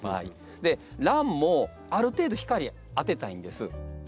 でランもある程度光当てたいんです。